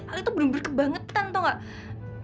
pak lek itu benar benar kebangetan tahu tidak